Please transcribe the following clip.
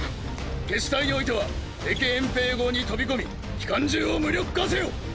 決死隊においては敵掩蔽壕に飛び込み機関銃を無力化せよ！